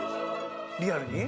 リアルに？